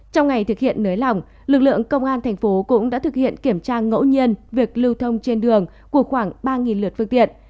trong ngày thực hiện nới lỏng lực lượng công an thành phố cũng đã thực hiện kiểm tra ngẫu nhiên việc lưu thông trên đường của khoảng ba lượt phương tiện